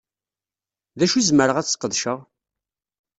D acu i zemreɣ ad sqedceɣ?